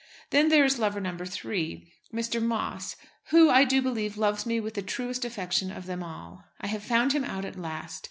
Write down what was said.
Then there is lover number three Mr. Moss who, I do believe, loves me with the truest affection of them all. I have found him out at last.